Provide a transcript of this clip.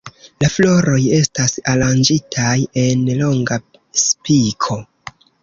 La floroj estas aranĝitaj en longa spiko.